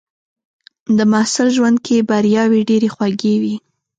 د محصل ژوند کې بریاوې ډېرې خوږې وي.